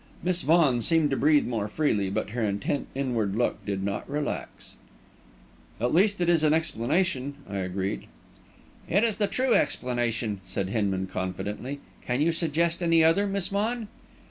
Miss Vaughan seemed to breathe more freely, but her intent inward look did not relax. "At least that is an explanation," I agreed. "It is the true explanation," said Hinman, confidently. "Can you suggest any other, Miss Vaughan?"